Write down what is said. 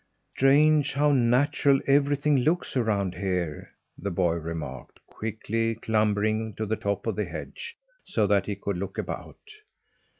"Strange how natural everything looks around here!" the boy remarked, quickly clambering to the top of the hedge, so that he could look about.